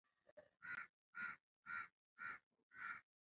wanataka kuonyesha heshima yao na kukuamini Kulingana